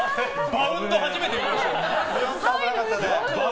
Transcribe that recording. バウンド初めて見ましたね。